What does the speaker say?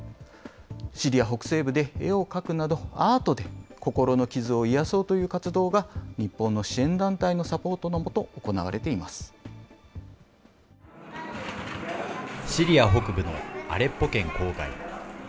シリア北西部で絵を描くなど、アートで心の傷を癒やそうという活動が日本の支援団体のサポートシリア北部のアレッポ県郊外。